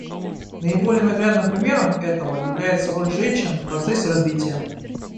Наиболее наглядным примером этого является роль женщин в процессе развития.